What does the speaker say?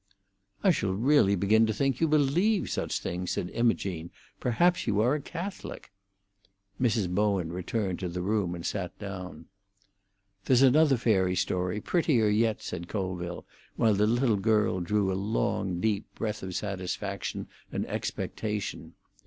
"I shall really begin to think you believe such things," said Imogene. "Perhaps you are a Catholic." Mrs. Bowen returned to the room, and sat down. "There's another fairy story, prettier yet," said Colville, while the little girl drew a long deep breath of satisfaction and expectation.